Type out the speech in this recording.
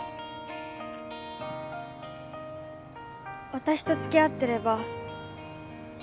私と付き合ってれば